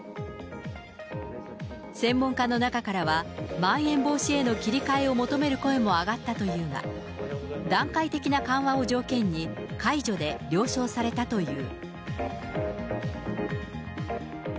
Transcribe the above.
専門家の中からは、まん延防止への切り替えを求める声も上がったというが、段階的な緩和を条件に、解除で了承されたという。